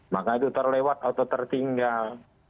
maka itu terlewat atau tertinggal